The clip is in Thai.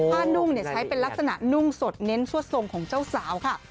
นุ่งใช้เป็นลักษณะนุ่งสดเน้นชั่วทรงของเจ้าสาวค่ะ